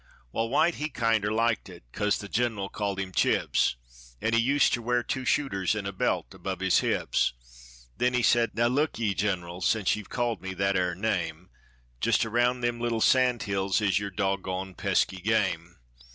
Wall, White he kinder liked it, cos the gener'l called him Chips, An' he us'ter wear two shooters in a belt above his hips. Then he said, "Now, look ye, gener'l, since ye've called me that ar' name, Jist around them little sandhills is yer dog gone pesky game!"